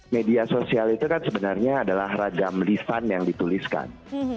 media sosial itu kan sebenarnya adalah ragam lisan yang dituliskan